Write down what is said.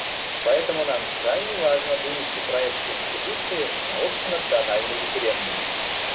Поэтому нам крайне важно вынести проект конституции на общенациональный референдум.